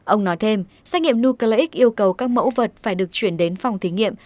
ông nói thêm xét nghiệm nucleic yêu cầu các mẫu vật phải được chuyển đến phòng thí nghiệm